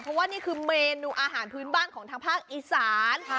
เพราะว่านี่คือเมนูอาหารพื้นบ้านของทางภาคอีสาน